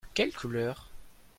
Quelle couleur ?